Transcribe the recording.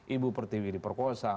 ibu pertiwi diperkosa